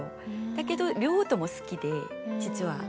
だけど両方とも好きで実は。